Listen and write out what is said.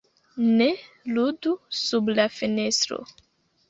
"Ne ludu sub la fenestro!"